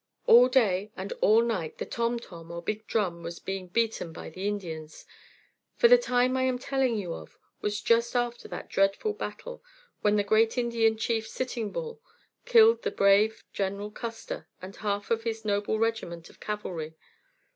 All day and all night the "tom tom," or big drum, was being beaten by the Indians; for the time I am telling you of was just after that dreadful battle, when the great Indian chief, Sitting Bull, killed brave General Custer and half of his noble regiment of cavalry.